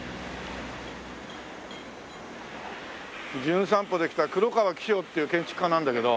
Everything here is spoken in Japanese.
『じゅん散歩』で来た黒川紀章っていう建築家なんだけど。